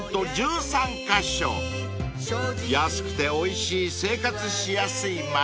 ［安くておいしい生活しやすい町］